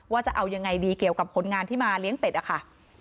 จะเอายังไงดีเกี่ยวกับคนงานที่มาเลี้ยงเป็ดอะค่ะ